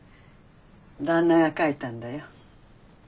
旦那が描いたんだよ。